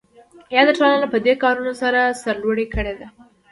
یاده ټولنه پدې کارونو سره سرلوړې کړې ده.